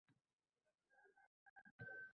imoniga, hayosiga, odob-axloqiga e’tibor beradi.